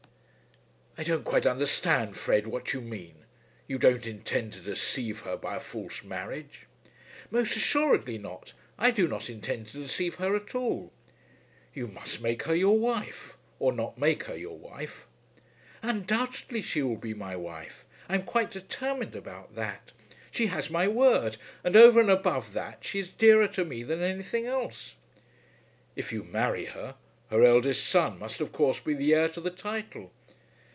"I don't quite understand, Fred, what you mean. You don't intend to deceive her by a false marriage?" "Most assuredly not. I do not intend to deceive her at all." "You must make her your wife, or not make her your wife." "Undoubtedly she will be my wife. I am quite determined about that. She has my word, and over and above that, she is dearer to me than anything else." "If you marry her, her eldest son must of course be the heir to the title."